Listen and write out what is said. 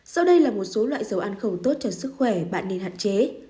sau đây là một số loại dầu ăn không tốt cho sức khỏe bạn nên hạn chế